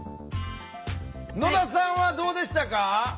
野田さんはどうでしたか？